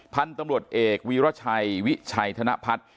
พันธุ์ตำรวจเอกวีรชัยวิชัยธนพัฒน์